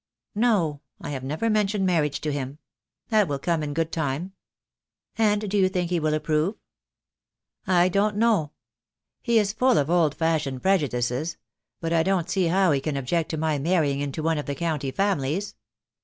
"No, I have never mentioned marriage to him. That will come in good time." "And do you think he will approve?" "I don't know. He is full of old fashioned prejudices; but I don't see how he can object to my marrying into one of the county families."